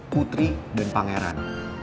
putri dan pangeran